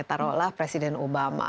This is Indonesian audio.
kita nyetarolah presiden obama